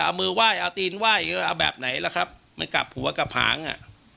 เอามือไหว้เอาตีนไหว้เอาแบบไหนล่ะครับมันกลับหัวกลับหางอ่ะ